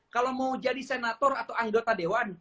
kalau mau jadi senator atau anggota dewan